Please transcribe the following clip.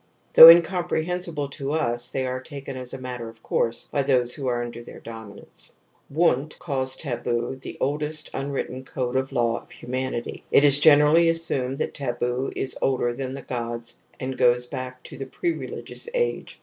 Though incomprehensible to us they are taken as a matter of course by those who are under their dominance. Wundt ^ calls taboo the oldest unwritten code of law of humanity. It is generally assumed that taboo is older than the gods and go^s back to the pre religious age.